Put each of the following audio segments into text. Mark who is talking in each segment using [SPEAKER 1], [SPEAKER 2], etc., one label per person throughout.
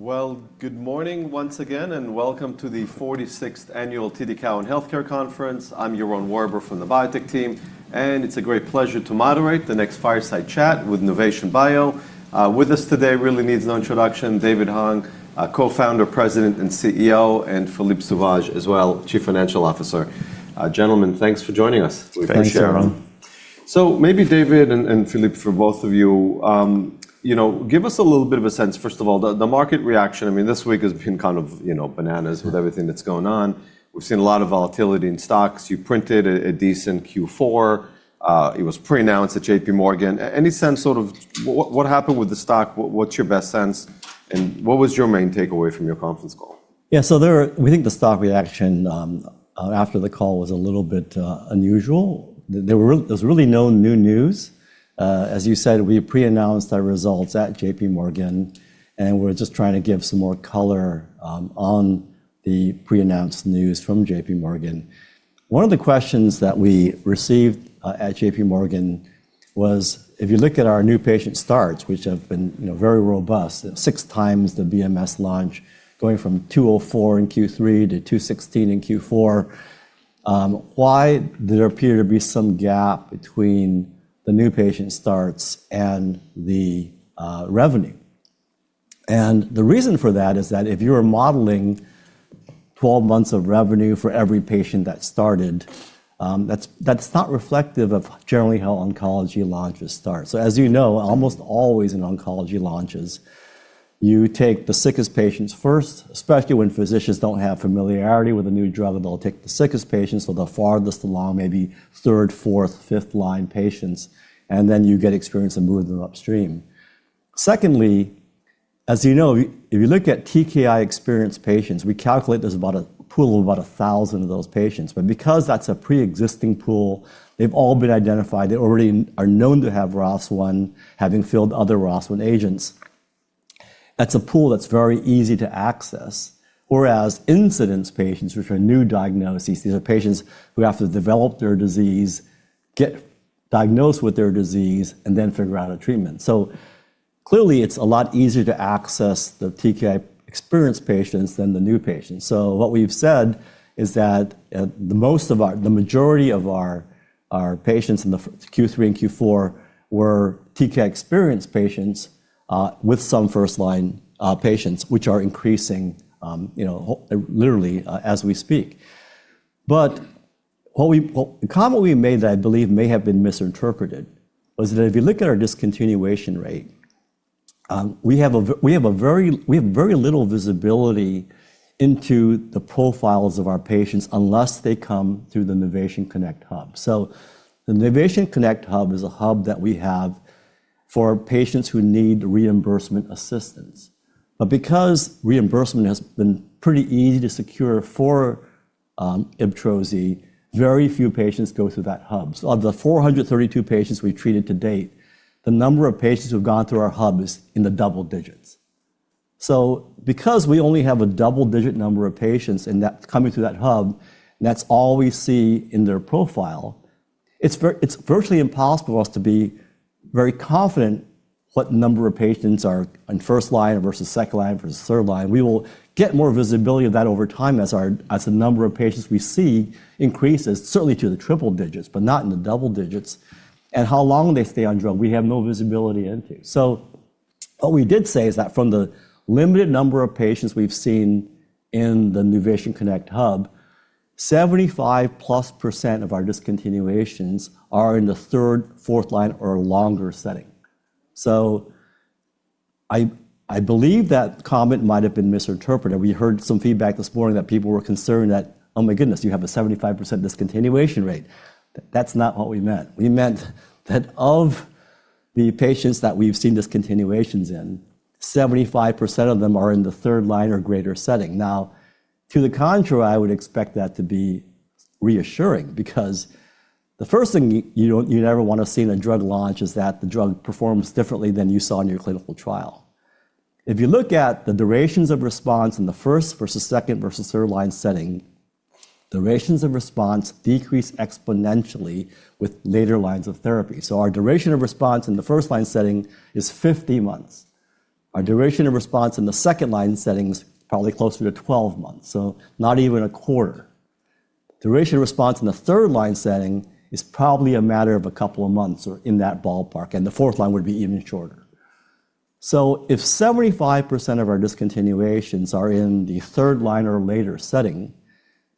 [SPEAKER 1] Well, good morning once again, welcome to the 46th Annual TD Cowen Healthcare Conference. I'm Yaron Werber from the biotech team, it's a great pleasure to moderate the next fireside chat with Nuvation Bio. With us today, really needs no introduction, David Hung, Co-founder, President, and CEO, Philippe Sauvage as well, Chief Financial Officer. Gentlemen, thanks for joining us.
[SPEAKER 2] Thanks, Yaron.
[SPEAKER 1] Maybe David and Philippe for both of you know, give us a little bit of a sense, first of all, the market reaction, I mean, this week has been kind of, you know, bananas with everything that's going on. We've seen a lot of volatility in stocks. You printed a decent Q4. It was pre-announced at J.P. Morgan. Any sense sort of what happened with the stock? What's your best sense, and what was your main takeaway from your conference call?
[SPEAKER 2] Yeah. So there we think the stock reaction after the call was a little bit unusual. There's really no new news. As you said, we pre-announced our results at J.P. Morgan, and we're just trying to give some more color on the pre-announced news from J.P. Morgan. One of the questions that we received at J.P. Morgan was, if you look at our new patient starts, which have been, you know, very robust, 6 times the BMS launch, going from 204 in Q3 to 216 in Q4, why there appear to be some gap between the new patient starts and the revenue? The reason for that is that if you are modeling 12 months of revenue for every patient that started, that's not reflective of generally how oncology launches start. As you know, almost always in oncology launches, you take the sickest patients first, especially when physicians don't have familiarity with a new drug, and they'll take the sickest patients or the farthest along, maybe third, fourth, fifth line patients, and then you get experience and move them upstream. Secondly, as you know, if you look at TKI-experienced patients, we calculate there's about a pool of about 1,000 of those patients. Because that's a preexisting pool, they've all been identified, they already are known to have ROS1, having failed other ROS1 agents. That's a pool that's very easy to access. Incidence patients, which are new diagnoses, these are patients who have to develop their disease, get diagnosed with their disease, and then figure out a treatment. Clearly, it's a lot easier to access the TKI-experienced patients than the new patients. What we've said is that the majority of our patients in the Q3 and Q4 were TKI-experienced patients, with some first-line patients, which are increasing, you know, literally, as we speak. The comment we made that I believe may have been misinterpreted was that if you look at our discontinuation rate, we have very little visibility into the profiles of our patients unless they come through the NuvationConnect. The NuvationConnect is a hub that we have for patients who need reimbursement assistance. Because reimbursement has been pretty easy to secure for, IBTROZI, very few patients go through that hub. Of the 432 patients we've treated to date, the number of patients who've gone through our hub is in the double digits. Because we only have a double-digit number of patients coming through that hub, that's all we see in their profile. It's virtually impossible for us to be very confident what number of patients are in first line versus second line versus third line. We will get more visibility of that over time as the number of patients we see increases, certainly to the triple digits, but not in the double digits, and how long they stay on drug, we have no visibility into. What we did say is that from the limited number of patients we've seen in the Innovation Connect Hub, 75%+ of our discontinuations are in the third, fourth line or longer setting. I believe that comment might have been misinterpreted. We heard some feedback this morning that people were concerned that, "Oh, my goodness, you have a 75% discontinuation rate." That's not what we meant. We meant that of the patients that we've seen discontinuations in, 75% of them are in the third line or greater setting. To the contrary, I would expect that to be reassuring because the first thing you never wanna see in a drug launch is that the drug performs differently than you saw in your clinical trial. If you look at the durations of response in the first versus second versus third line setting, durations of response decrease exponentially with later lines of therapy. Our duration of response in the first line setting is 50 months. Our duration of response in the second line setting is probably closer to 12 months, so not even a quarter. Duration of response in the third line setting is probably a matter of a couple of months or in that ballpark, the fourth line would be even shorter. If 75% of our discontinuations are in the third line or later setting,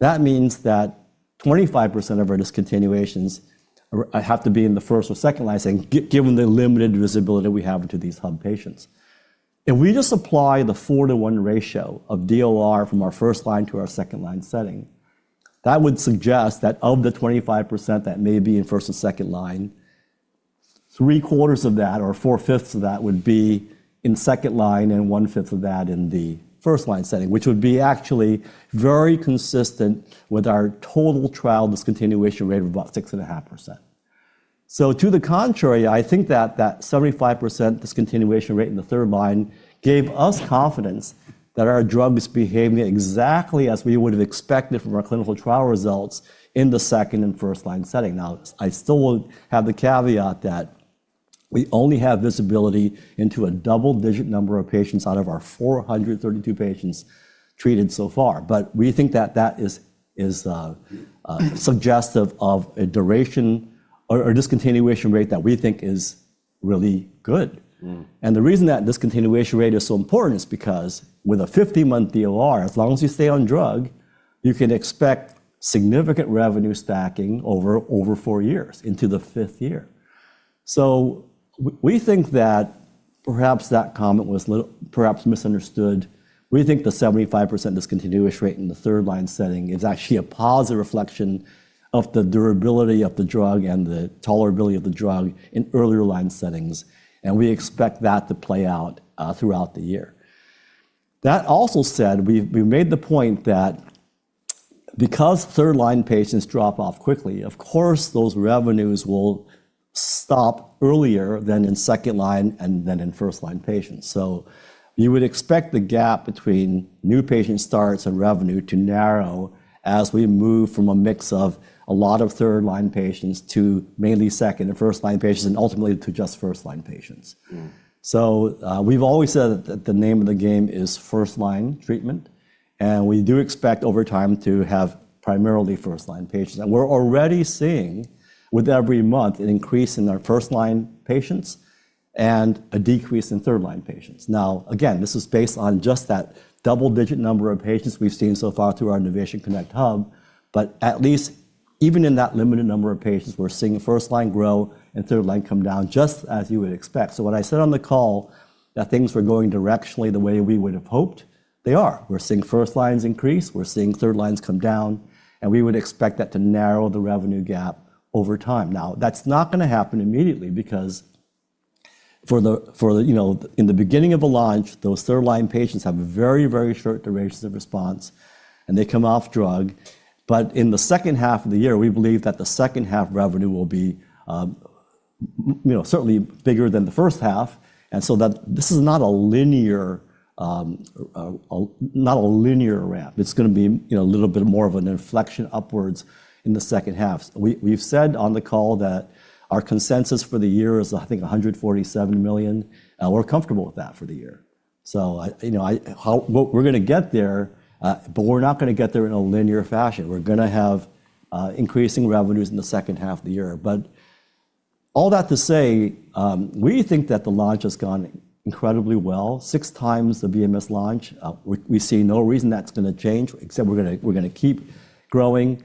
[SPEAKER 2] that means that 25% of our discontinuations have to be in the first or second line setting given the limited visibility we have to these hub patients. If we just apply the 4:1 ratio of DOR from our first line to our second line setting, that would suggest that of the 25% that may be in first or second line, three-quarters of that or four-fifths of that would be in second line and one-fifth of that in the first line setting, which would be actually very consistent with our total trial discontinuation rate of about 6.5%. To the contrary, I think that that 75% discontinuation rate in the third line gave us confidence that our drug is behaving exactly as we would have expected from our clinical trial results in the second and first line setting. Now, I still have the caveat that we only have this ability into a double-digit number of patients out of our 432 patients treated so far. We think that that is suggestive of a duration or discontinuation rate that we think is really good.
[SPEAKER 1] Mm.
[SPEAKER 2] The reason that discontinuation rate is so important is because with a 50-month DOR, as long as you stay on drug, you can expect significant revenue stacking over 4 years into the 5th year. We think that perhaps that comment was perhaps misunderstood. We think the 75% discontinuation rate in the 3rd line setting is actually a positive reflection of the durability of the drug and the tolerability of the drug in earlier line settings, and we expect that to play out throughout the year. Also said, we've made the point that because 3rd line patients drop off quickly, of course, those revenues will stop earlier than in 2nd line and than in 1st line patients. You would expect the gap between new patient starts and revenue to narrow as we move from a mix of a lot of third line patients to mainly second and first line patients and ultimately to just first line patients.
[SPEAKER 1] Mm.
[SPEAKER 2] We've always said that the name of the game is first line treatment, and we do expect over time to have primarily first line patients. We're already seeing with every month an increase in our first line patients and a decrease in third line patients. Again, this is based on just that double-digit number of patients we've seen so far through our NuvationConnect hub. At least even in that limited number of patients, we're seeing first line grow and third line come down just as you would expect. When I said on the call that things were going directionally the way we would have hoped, they are. We're seeing first lines increase, we're seeing third lines come down, and we would expect that to narrow the revenue gap over time. That's not gonna happen immediately because... You know, in the beginning of a launch, those third-line patients have a very, very short duration of response, and they come off drug. In the second half of the year, we believe that the second half revenue will be, you know, certainly bigger than the first half. This is not a linear, not a linear ramp. It's gonna be, you know, a little bit more of an inflection upwards in the second half. We've said on the call that our consensus for the year is, I think, $147 million. We're comfortable with that for the year. I, you know, We're gonna get there, but we're not gonna get there in a linear fashion. We're gonna have increasing revenues in the second half of the year. All that to say, we think that the launch has gone incredibly well, 6 times the BMS launch. We see no reason that's gonna change, except we're gonna keep growing.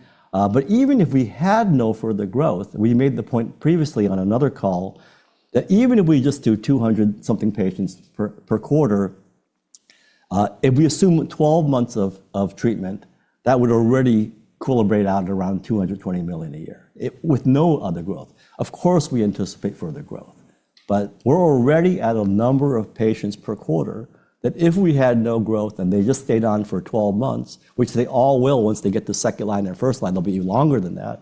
[SPEAKER 2] Even if we had no further growth, we made the point previously on another call that even if we just do 200 something patients per quarter, if we assume 12 months of treatment, that would already calibrate out at around $220 million a year. With no other growth. Of course, we anticipate further growth, but we're already at a number of patients per quarter that if we had no growth and they just stayed on for 12 months, which they all will once they get to second line and first line, they'll be longer than that,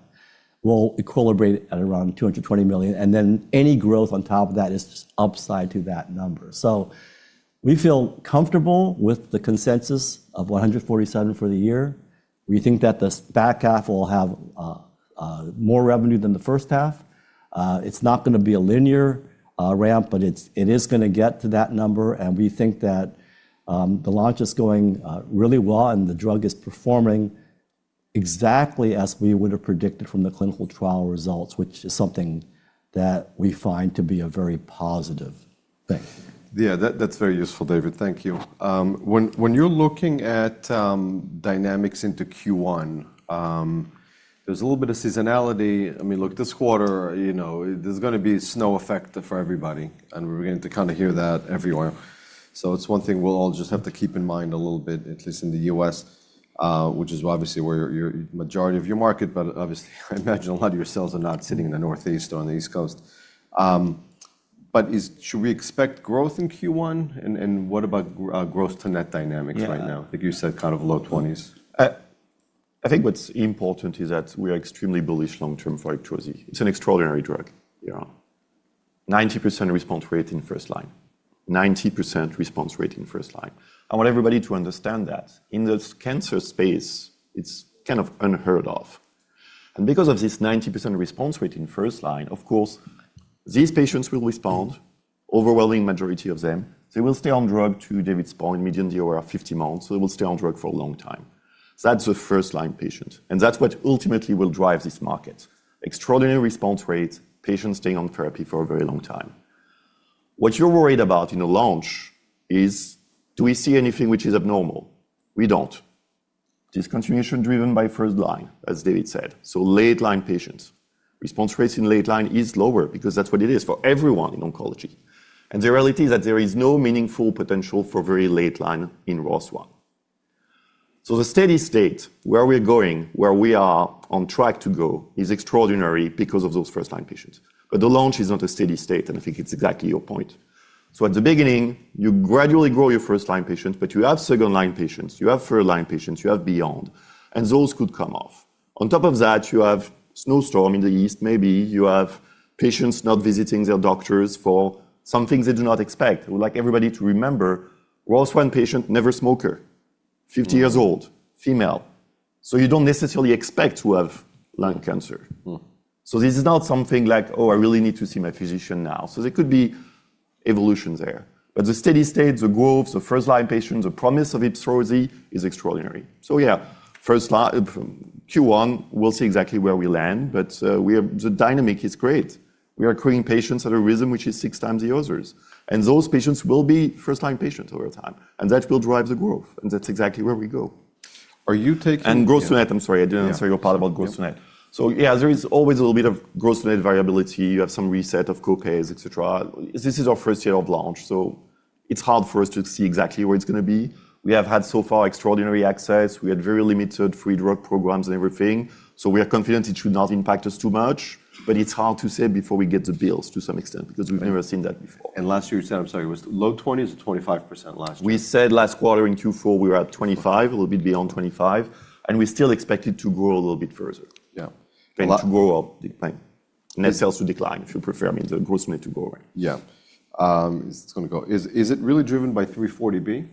[SPEAKER 2] we'll calibrate at around $220 million, and then any growth on top of that is just upside to that number. We feel comfortable with the consensus of $147 for the year. We think that the back half will have more revenue than the first half. It's not gonna be a linear ramp, but it is gonna get to that number. We think that the launch is going really well and the drug is performing exactly as we would have predicted from the clinical trial results, which is something that we find to be a very positive thing.
[SPEAKER 1] Yeah. That's very useful, David. Thank you. When you're looking at dynamics into Q1, there's a little bit of seasonality. I mean, look, this quarter, you know, there's gonna be snow effect for everybody, and we're going to kinda hear that everywhere. It's one thing we'll all just have to keep in mind a little bit, at least in the U.S., which is obviously where your majority of your market. Obviously, I imagine a lot of your sales are not sitting in the Northeast or on the East Coast. Should we expect growth in Q1, and what about gross to net dynamics right now?
[SPEAKER 2] Yeah.
[SPEAKER 1] I think you said kind of low twenties.
[SPEAKER 3] I think what's important is that we are extremely bullish long term for Taletrectinib. It's an extraordinary drug. You know, 90% response rate in first line. I want everybody to understand that. In the cancer space, it's kind of unheard of. Because of this 90% response rate in first line, of course, these patients will respond, overwhelming majority of them. They will stay on drug to David's point, median DOR of 50 months. They will stay on drug for a long time. That's a first line patient, and that's what ultimately will drive this market. Extraordinary response rates, patients staying on therapy for a very long time. What you're worried about in a launch is do we see anything which is abnormal? We don't. Discontinuation driven by first line, as David said. Late line patients. Response rates in late-line is lower because that's what it is for everyone in oncology. The reality is that there is no meaningful potential for very late-line in ROS1. The steady state where we're going, where we are on track to go is extraordinary because of those first-line patients. The launch is not a steady state, and I think it's exactly your point. At the beginning, you gradually grow your first-line patients, but you have second-line patients, you have third-line patients, you have beyond, and those could come off. On top of that, you have snowstorm in the East, maybe you have patients not visiting their doctors for some things they do not expect. We'd like everybody to remember, ROS1 patient, never smoker. 50 years old, female. You don't necessarily expect to have lung cancer.
[SPEAKER 1] Mm.
[SPEAKER 3] This is not something like, "Oh, I really need to see my physician now." There could be evolution there. The steady state, the growth, the first-line patients, the promise of IBTROZI is extraordinary. Yeah, first line Q1, we'll see exactly where we land, but The dynamic is great. We are acquiring patients at a rhythm which is 6 times the others. Those patients will be first-line patients over time, and that will drive the growth, and that's exactly where we go.
[SPEAKER 1] Are you taking-
[SPEAKER 3] Gross net, I'm sorry. I didn't answer your part about gross net. Yeah, there is always a little bit of gross net variability. You have some reset of co-pays, et cetera. This is our first year of launch, so it's hard for us to see exactly where it's gonna be. We have had so far extraordinary access. We had very limited free drug programs and everything. We are confident it should not impact us too much, but it's hard to say before we get the bills to some extent, because we've never seen that before.
[SPEAKER 1] Last year you said, I'm sorry, it was low twenties or 25% last year.
[SPEAKER 3] We said last quarter in Q4 we were at $25, a little bit beyond $25, and we still expect it to grow a little bit further.
[SPEAKER 1] Yeah.
[SPEAKER 3] To grow up. Net sales to decline, if you prefer. I mean, the gross net to grow, right?
[SPEAKER 1] Yeah. it's gonna go... Is it really driven by 340B?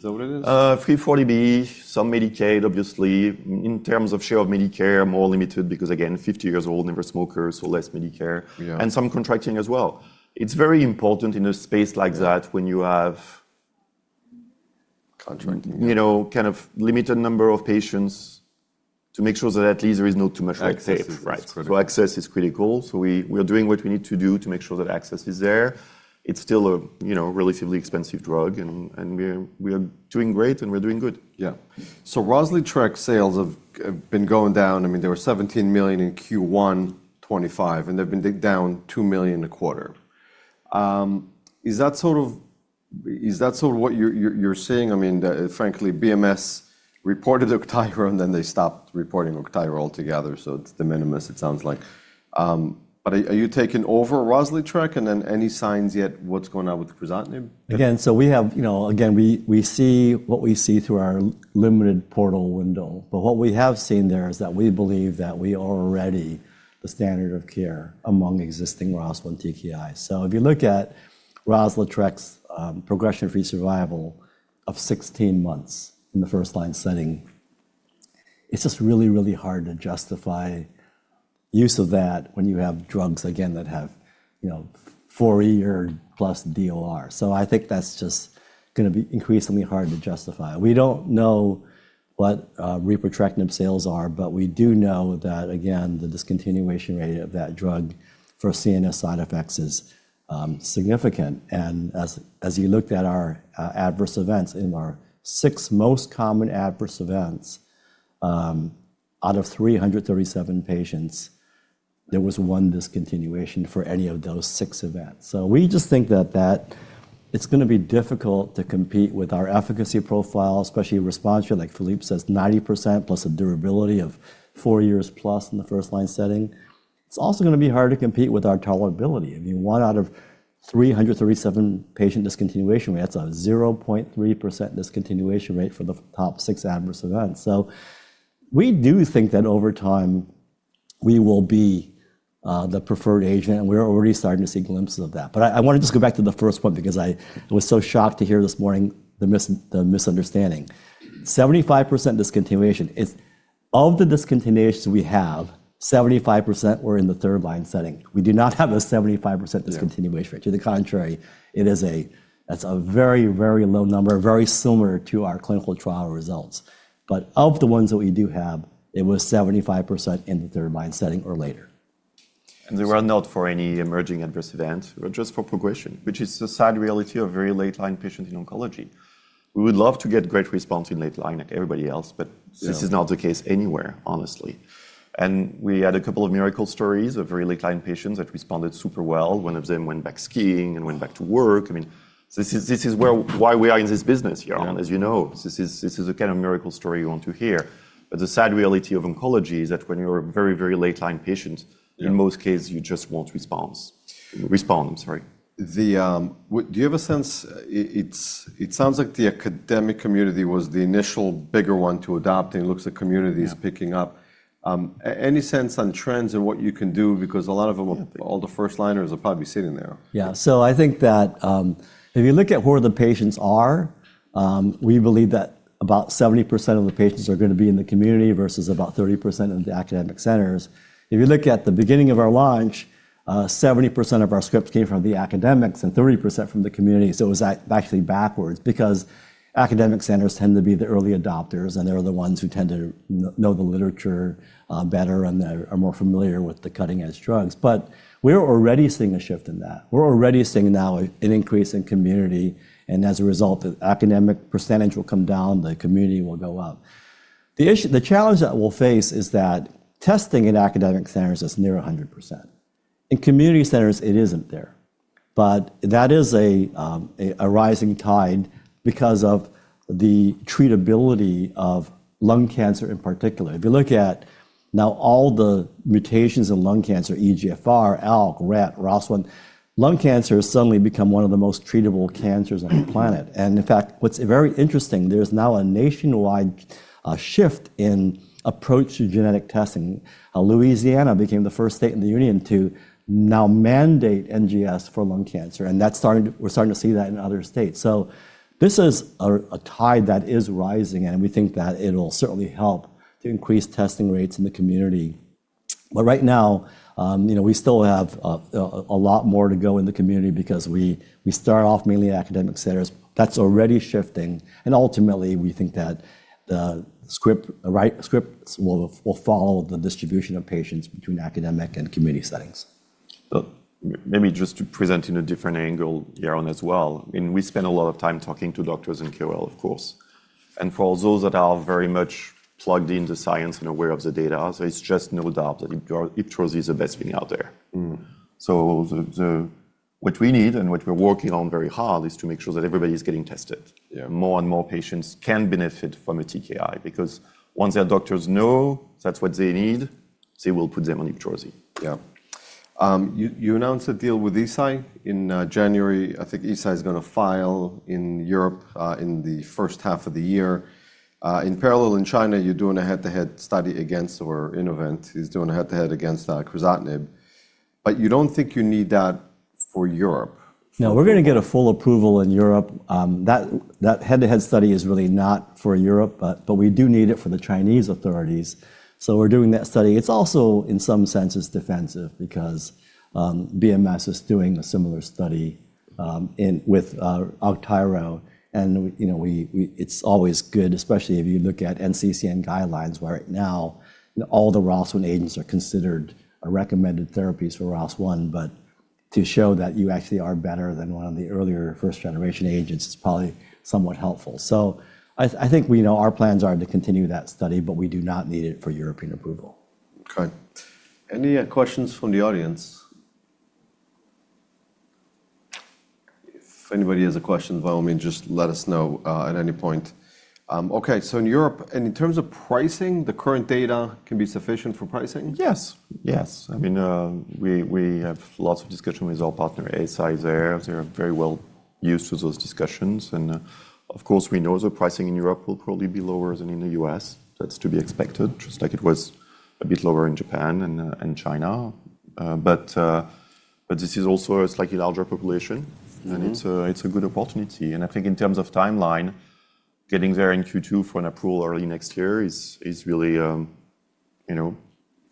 [SPEAKER 1] Is that what it is?
[SPEAKER 3] 340B, some Medicaid obviously. In terms of share of Medicare, more limited because again, 50 years old, never smokers, so less Medicare.
[SPEAKER 1] Yeah.
[SPEAKER 3] some contracting as well. It's very important in a space like that when you.
[SPEAKER 1] Contracting...
[SPEAKER 3] you know, kind of limited number of patients to make sure that at least there is not too much red tape.
[SPEAKER 1] Access is right. It's critical.
[SPEAKER 3] Access is critical. We are doing what we need to do to make sure that access is there. It's still a, you know, relatively expensive drug and we're doing great and we're doing good.
[SPEAKER 1] Yeah. ROZLYTREK sales have been going down. I mean, they were $17 million in Q1 2025, and they've been down $2 million a quarter. Is that sort of what you're seeing? I mean, frankly, BMS reported AUGTYRO and then they stopped reporting AUGTYRO altogether. It's de minimis, it sounds like. Are you taking over ROZLYTREK? Any signs yet what's going on with Crizotinib?
[SPEAKER 2] Again, we have, you know. Again, we see what we see through our limited portal window. What we have seen there is that we believe that we are already the standard of care among existing ROS1 TKIs. If you look at ROZLYTREK's progression-free survival of 16 months in the first line setting, it's just really, really hard to justify use of that when you have drugs again that have, you know, 4-year-plus DOR. I think that's just gonna be increasingly hard to justify. We don't know what Repotrectinib sales are, but we do know that, again, the discontinuation rate of that drug for CNS side effects is significant. As you looked at our adverse events, in our 6 most common adverse events, out of 337 patients, there was 1 discontinuation for any of those 6 events. We just think that it's gonna be difficult to compete with our efficacy profile, especially response rate. Like Philippe says, 90%+ a durability of 4+ years in the first line setting. It's also gonna be hard to compete with our tolerability. I mean, 1 out of 337 patient discontinuation. That's a 0.3% discontinuation rate for the top 6 adverse events. We do think that over time we will be the preferred agent, and we're already starting to see glimpses of that. I wanna just go back to the first point because I was so shocked to hear this morning the misunderstanding. 75% discontinuation is of the discontinuations we have, 75% were in the third line setting. We do not have a 75% discontinuation rate.
[SPEAKER 1] Yeah.
[SPEAKER 2] To the contrary, It's a very, very low number, very similar to our clinical trial results. Of the ones that we do have, it was 75% in the third line setting or later.
[SPEAKER 3] They were not for any emerging adverse event, but just for progression, which is the sad reality of very late-line patients in oncology. We would love to get great response in late line like everybody else.
[SPEAKER 1] Yeah
[SPEAKER 3] this is not the case anywhere, honestly. We had a couple of miracle stories of very late-line patients that responded super well. One of them went back skiing and went back to work. I mean, this is why we are in this business, Yaron, as you know. This is the kind of miracle story you want to hear. The sad reality of oncology is that when you're a very, very late-line patient.
[SPEAKER 1] Yeah
[SPEAKER 3] in most cases you just won't response. Respond, I'm sorry.
[SPEAKER 1] Do you have a sense, it's, it sounds like the academic community was the initial bigger one to adopt, and it looks the community...
[SPEAKER 2] Yeah...
[SPEAKER 1] is picking up. Any sense on trends and what you can do? A lot of them, all the first liners will probably be sitting there.
[SPEAKER 2] Yeah. I think that, if you look at where the patients are, we believe that about 70% of the patients are gonna be in the community versus about 30% in the academic centers. If you look at the beginning of our launch, 70% of our scripts came from the academics and 30% from the community. It was actually backwards because academic centers tend to be the early adopters, and they're the ones who tend to know the literature, better and they're are more familiar with the cutting edge drugs. We're already seeing a shift in that. We're already seeing now an increase in community, and as a result, the academic percentage will come down, the community will go up. The challenge that we'll face is that testing in academic centers is near 100%. In community centers, it isn't there. That is a rising tide because of the treatability of lung cancer in particular. If you look at now all the mutations in lung cancer, EGFR, ALK, RET, ROS1, lung cancer has suddenly become one of the most treatable cancers on the planet. In fact, what's very interesting, there's now a nationwide shift in approach to genetic testing. Louisiana became the first state in the union to now mandate NGS for lung cancer, and we're starting to see that in other states. This is a tide that is rising, and we think that it'll certainly help to increase testing rates in the community. Right now, you know, we still have a lot more to go in the community because we start off mainly academic centers. That's already shifting and ultimately we think that the script, the right scripts will follow the distribution of patients between academic and community settings.
[SPEAKER 3] Maybe just to present in a different angle, Yaron as well, I mean, we spend a lot of time talking to doctors in KOL, of course. For those that are very much plugged into science and aware of the data, it's just no doubt that IBTROZI is the best thing out there.
[SPEAKER 2] Mm.
[SPEAKER 3] What we need and what we're working on very hard is to make sure that everybody's getting tested.
[SPEAKER 2] Yeah.
[SPEAKER 1] More and more patients can benefit from a TKI, because once their doctors know that's what they need, they will put them on IBTROZI.
[SPEAKER 2] Yeah.
[SPEAKER 1] You announced a deal with Eisai in January. I think Eisai is gonna file in Europe in the first half of the year. In parallel in China, you're doing a head-to-head study, or Innovent is doing a head-to-head against Crizotinib. You don't think you need that for Europe.
[SPEAKER 2] We're gonna get a full approval in Europe. That head-to-head study is really not for Europe, but we do need it for the Chinese authorities. We're doing that study. It's also in some sense it's defensive because BMS is doing a similar study in with AUGTYRO and we, you know, it's always good, especially if you look at NCCN guidelines where right now all the ROS1 agents are considered a recommended therapies for ROS1. To show that you actually are better than one of the earlier first generation agents is probably somewhat helpful. I think we know our plans are to continue that study, but we do not need it for European approval.
[SPEAKER 1] Okay. Any questions from the audience? If anybody has a question, by all means, just let us know at any point. In Europe, in terms of pricing, the current data can be sufficient for pricing?
[SPEAKER 2] Yes. Yes. I mean, we have lots of discussion with our partner, Eisai, there. They're very well used to those discussions. Of course, we know the pricing in Europe will probably be lower than in the U.S. That's to be expected, just like it was a bit lower in Japan and China. This is also a slightly larger population...
[SPEAKER 1] Mm-hmm...
[SPEAKER 2] and it's a good opportunity. I think in terms of timeline, getting there in Q2 for an approval early next year is really, you know,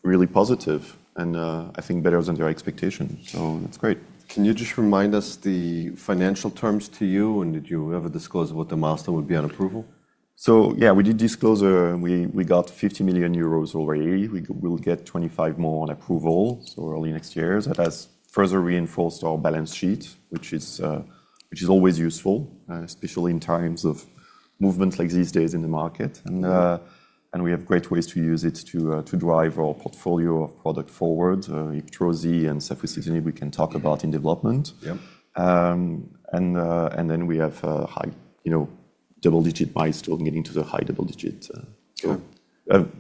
[SPEAKER 2] really positive and I think better than their expectation. That's great.
[SPEAKER 1] Can you just remind us the financial terms to you? Did you ever disclose what the milestone would be on approval?
[SPEAKER 2] Yeah, we did disclose, we got 50 million euros already. We will get 25 more on approval, so early next year. That has further reinforced our balance sheet, which is always useful, especially in times of movement like these days in the market. And we have great ways to use it to drive our portfolio of product forward. IBTROZI and Safusidenib we can talk about in development.
[SPEAKER 1] Yeah.
[SPEAKER 2] We have, high, you know, double-digit buys still getting to the high double digit.
[SPEAKER 1] Sure...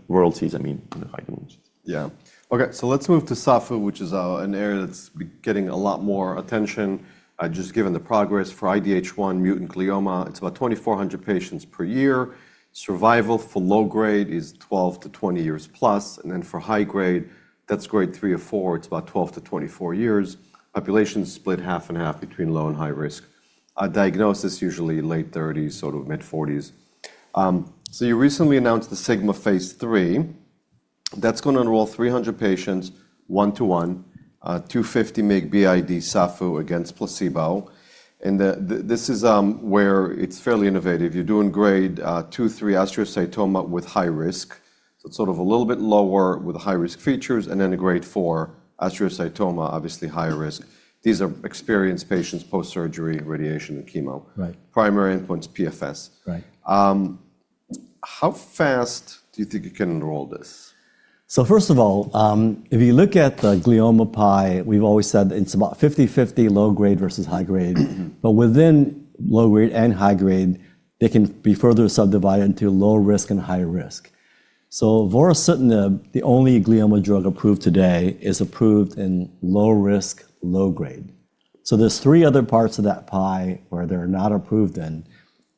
[SPEAKER 2] royalties, I mean, in the high double digits.
[SPEAKER 1] Yeah. Okay. Let's move to SAFU, which is an area that's getting a lot more attention, just given the progress for IDH1 mutant glioma. It's about 2,400 patients per year. Survival for low grade is 12 to 20 years plus, for high grade, that's grade 3 or 4, it's about 12 to 24 years. Population split half and half between low and high risk. A diagnosis usually late thirties, sort of mid-forties. You recently announced the SIGMA Phase 3. That's going to enroll 300 patients, one to one, 250 mg BID SAFU against placebo. This is where it's fairly innovative. You're doing Grade 2, 3 astrocytoma with high risk. It's sort of a little bit lower with the high-risk features, a Grade 4 astrocytoma, obviously higher risk. These are experienced patients post-surgery, radiation, and chemo.
[SPEAKER 2] Right.
[SPEAKER 1] Primary endpoint is PFS.
[SPEAKER 2] Right.
[SPEAKER 1] How fast do you think you can enroll this?
[SPEAKER 2] first of all, if you look at the glioma pie, we've always said it's about 50/50 low grade versus high grade.
[SPEAKER 1] Mm-hmm.
[SPEAKER 2] Within low grade and high grade, they can be further subdivided into low risk and high risk. Vorasidenib, the only glioma drug approved today, is approved in low risk, low grade. There's three other parts of that pie where they're not approved in.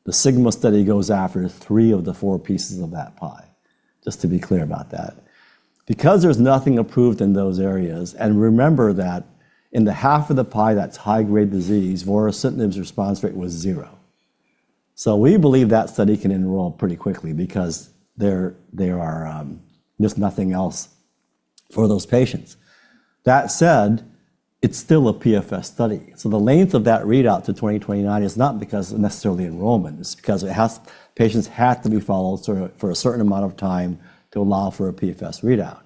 [SPEAKER 2] The SIGMA study goes after three of the four pieces of that pie, just to be clear about that. There's nothing approved in those areas, and remember that in the half of the pie that's high-grade disease, Vorasidenib's response rate was 0. We believe that study can enroll pretty quickly because there are just nothing else for those patients. That said, it's still a PFS study, the length of that readout to 2029 is not because necessarily enrollment, it's because patients have to be followed sort of for a certain amount of time to allow for a PFS readout.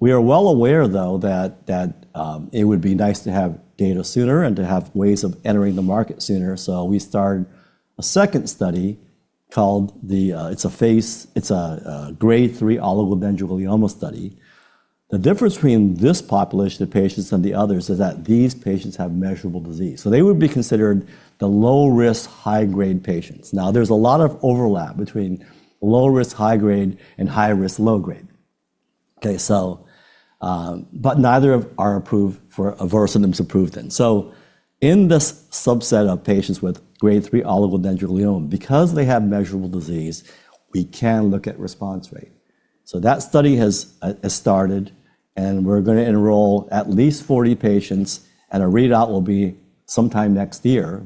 [SPEAKER 2] We are well aware though that, it would be nice to have data sooner and to have ways of entering the market sooner. We started a second study called It's a Grade 3 oligodendroglioma study. The difference between this population of patients and the others is that these patients have measurable disease, so they would be considered the low risk, high grade patients. There's a lot of overlap between low risk, high grade and high risk, low grade. Neither of are approved for... Vorasidenib's approved then. In this subset of patients with grade 3 oligodendroglioma, because they have measurable disease, we can look at response rate. That study has started, and we're gonna enroll at least 40 patients, and a readout will be sometime next year.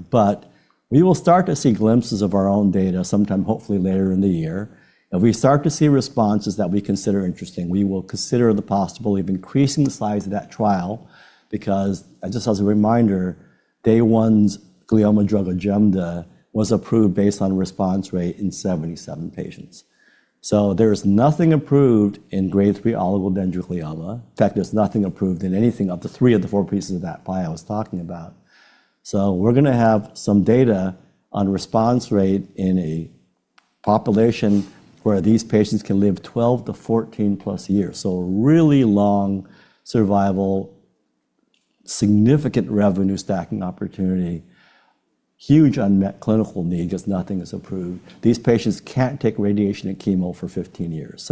[SPEAKER 2] We will start to see glimpses of our own data sometime hopefully later in the year. If we start to see responses that we consider interesting, we will consider the possibility of increasing the size of that trial because, just as a reminder, Day One's glioma drug, OJEMDA, was approved based on response rate in 77 patients. There is nothing approved in Grade 3 oligodendroglioma. In fact, there's nothing approved in anything of the 3 of the 4 pieces of that pie I was talking about. We're gonna have some data on response rate in a population where these patients can live 12 to 14+ years. Really long survival, significant revenue stacking opportunity, huge unmet clinical need 'cause nothing is approved. These patients can't take radiation and chemo for 15 years.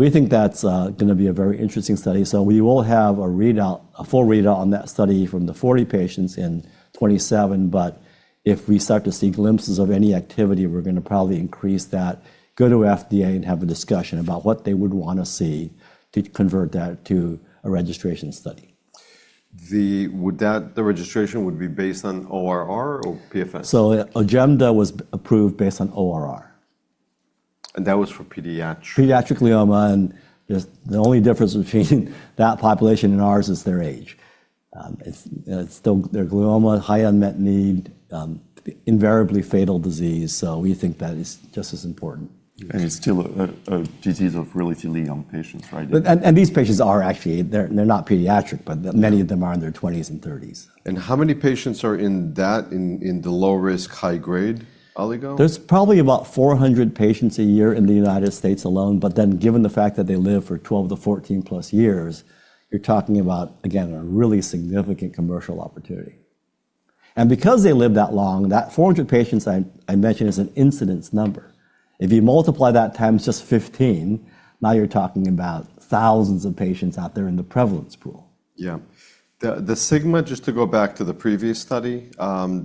[SPEAKER 2] We think that's gonna be a very interesting study. We will have a readout, a full readout on that study from the 40 patients in 2027, but if we start to see glimpses of any activity, we're gonna probably increase that, go to FDA and have a discussion about what they would wanna see to convert that to a registration study.
[SPEAKER 1] The registration would be based on ORR or PFS?
[SPEAKER 2] OJEMDA was approved based on ORR.
[SPEAKER 1] that was for.
[SPEAKER 2] Pediatric glioma, just the only difference between that population and ours is their age. It's still their glioma, high unmet need, invariably fatal disease. We think that is just as important.
[SPEAKER 1] It's still a disease of relatively young patients, right?
[SPEAKER 2] These patients are actually, they're not pediatric, but many of them are in their twenties and thirties.
[SPEAKER 1] how many patients are in that, in the low risk, high grade oligo?
[SPEAKER 2] There's probably about 400 patients a year in the United States alone. Given the fact that they live for 12 to 14 plus years, you're talking about, again, a really significant commercial opportunity. Because they live that long, that 400 patients I mentioned is an incidence number. If you multiply that times just 15, now you're talking about thousands of patients out there in the prevalence pool.
[SPEAKER 1] Yeah. The SIGMA, just to go back to the previous study, Do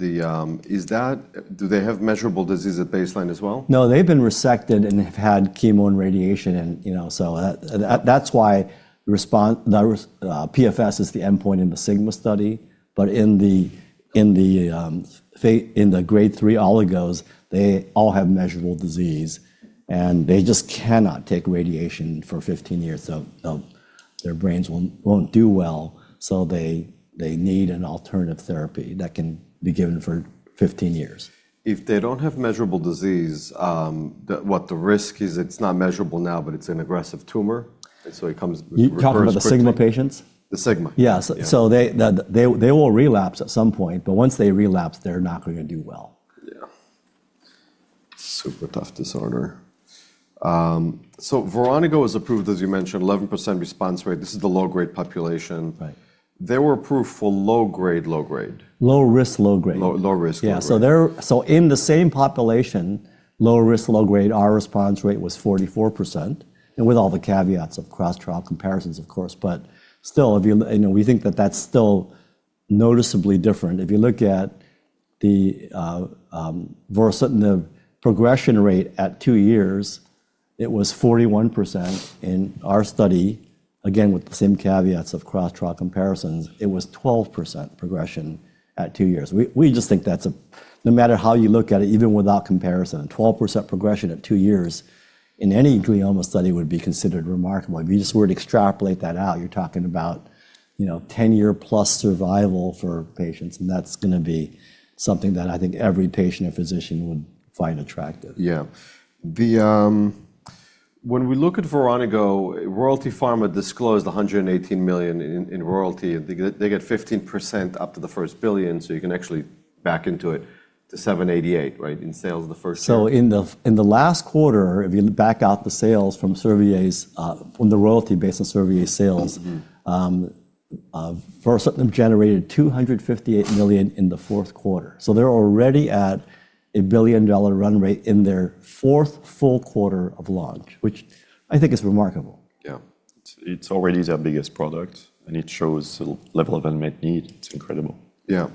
[SPEAKER 1] they have measurable disease at baseline as well?
[SPEAKER 2] They've been resected and have had chemo and radiation and, you know, so, that's why PFS is the endpoint in the SIGMA study, but in the, in the, in the Grade 3 oligos, they all have measurable disease, and they just cannot take radiation for 15 years, so, their brains won't do well, so they need an alternative therapy that can be given for 15 years.
[SPEAKER 1] If they don't have measurable disease, what the risk is it's not measurable now, but it's an aggressive tumor, and so it comes-.
[SPEAKER 2] You're talking about the SIGMA patients?
[SPEAKER 1] The SIGMA.
[SPEAKER 2] Yeah.
[SPEAKER 1] Yeah.
[SPEAKER 2] They will relapse at some point, but once they relapse, they're not gonna do well.
[SPEAKER 1] Yeah. Super tough disorder. ZYNLONTA was approved, as you mentioned, 11% response rate. This is the low-grade population.
[SPEAKER 2] Right.
[SPEAKER 1] They were approved for low grade, low grade.
[SPEAKER 2] Low risk, low-grade.
[SPEAKER 1] Low, low risk, low grade.
[SPEAKER 2] Yeah. In the same population, low risk, low grade, our response rate was 44%, and with all the caveats of cross-trial comparisons of course, but still, if you know, we think that that's still noticeably different. If you look at the progression rate at 2 years, it was 41%. In our study, again with the same caveats of cross-trial comparisons, it was 12% progression at 2 years. We just think that's No matter how you look at it, even without comparison, 12% progression at 2 years in any glioma study would be considered remarkable. If you just were to extrapolate that out, you're talking about, you know, 10-year plus survival for patients, and that's gonna be something that I think every patient or physician would find attractive.
[SPEAKER 1] When we look at ZYNLONTA, Royalty Pharma disclosed $118 million in royalty. They get 15% up to the first $1 billion, so you can actually back into it to $788 million, right, in sales of the first year.
[SPEAKER 2] in the last quarter, if you back out the sales from Servier's, from the royalty based on Servier's sales-
[SPEAKER 1] Mm-hmm
[SPEAKER 2] Voronoi generated $258 million in the fourth quarter. They're already at a billion-dollar run rate in their fourth full quarter of launch, which I think is remarkable.
[SPEAKER 1] Yeah. It's already their biggest product, and it shows the level of unmet need. It's incredible. Yeah.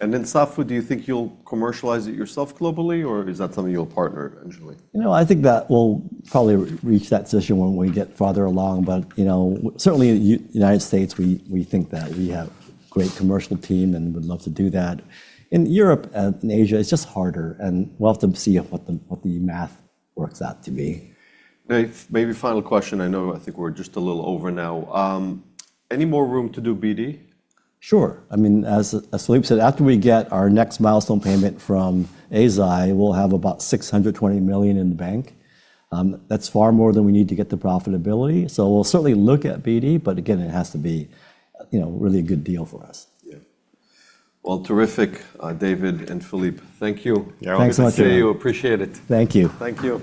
[SPEAKER 1] SAFU, do you think you'll commercialize it yourself globally or is that something you'll partner eventually?
[SPEAKER 2] You know, I think that we'll probably reach that decision when we get farther along. You know, certainly United States, we think that we have great commercial team and would love to do that. In Europe and Asia, it's just harder, and we'll have to see what the math works out to be.
[SPEAKER 1] Now maybe final question. I know I think we're just a little over now. Any more room to do BD?
[SPEAKER 2] Sure. I mean, as Philippe said, after we get our next milestone payment from Eisai, we'll have about $620 million in the bank. That's far more than we need to get to profitability. We'll certainly look at BD, but again, it has to be, you know, really a good deal for us.
[SPEAKER 1] Yeah. Well, terrific, David and Philippe. Thank you.
[SPEAKER 2] Yeah.
[SPEAKER 1] Good to see you.
[SPEAKER 2] Thanks much.
[SPEAKER 1] Appreciate it.
[SPEAKER 2] Thank you.
[SPEAKER 1] Thank you.